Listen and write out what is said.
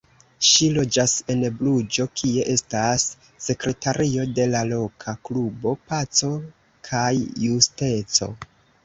Ŝi loĝas en Bruĝo, kie estas sekretario de la loka klubo Paco kaj Justeco.